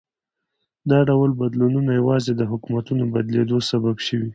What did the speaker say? دا ډول بدلونونه یوازې د حکومتونو بدلېدو سبب شوي.